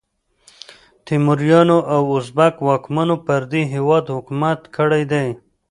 تیموریانو او ازبک واکمنو پر دې هیواد حکومت کړی دی.